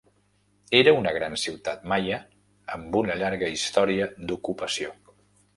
Era una gran ciutat maia amb una llarga història d'ocupació